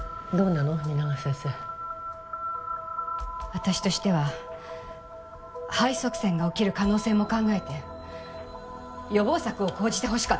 私としては肺塞栓が起きる可能性も考えて予防策を講じて欲しかったと。